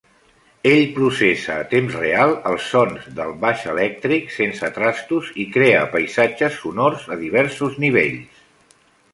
Ell processa a temps real els sons del baix elèctric sense trastos i crea paisatges sonors a diversos nivells.